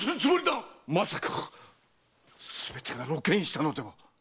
まさかすべてが露見したのでは？